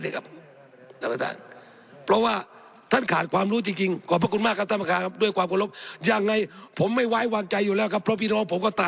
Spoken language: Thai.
เลยครับเพราะว่าท่านขาดความรู้จริงจริง